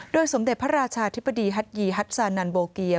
สมเด็จพระราชาธิบดีฮัทยีฮัตซานันโบเกีย